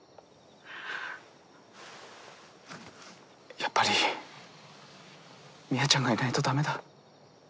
やっぱり深愛ちゃんがいないとダメだ。